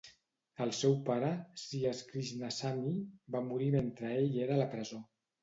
El seu pare, C. S. Krishnasamy, va morir mentre ell era a la presó.